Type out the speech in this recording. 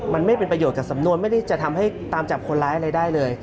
มันไม่เป็นประโยชน์กับสำนวนไม่ได้จะทำให้ตามจับคนร้ายอะไรได้เลย